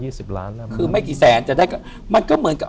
สิบล้านแล้วคือไม่กี่แสนจะได้ก็มันก็เหมือนกับ